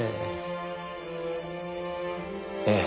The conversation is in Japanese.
ええ。